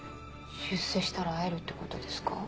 出世したら会えるってことですか？